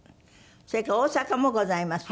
それから大阪もございます。